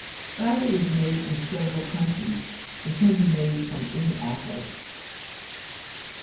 Cider is made in several countries and can be made from any apples.